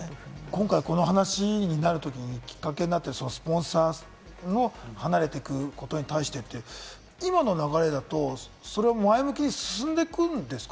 今回、この話をきっかけにスポンサーが離れていくことに今の流れだと、それは前向きに進んでいくんですか？